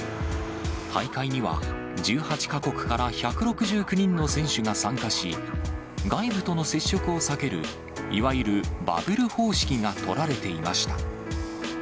大会には１８か国から１６９人の選手が参加し、外部との接触を避ける、いわゆるバブル方式が取られていました。